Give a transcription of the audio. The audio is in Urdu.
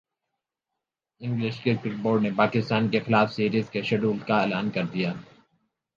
انگلش کرکٹ بورڈ نے پاکستان کیخلاف سیریز کے شیڈول کا اعلان کر دیا